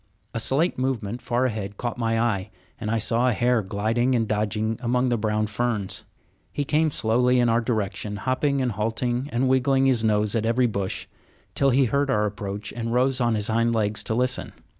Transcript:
A slight movement far ahead caught my eye, and I saw a hare gliding and dodging among the brown ferns. He came slowly in our direction, hopping and halting and wiggling his nose at every bush, till he heard our approach and rose on his hind legs to listen.